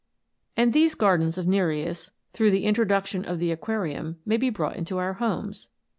And these gardens of Nereus, through the intro duction of the aquarium, may be brought into our homes.